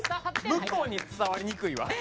向こうに伝わりにくいわ。